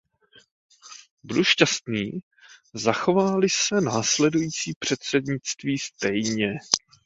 Budu šťastný, zachová-li se následující předsednictví stejně.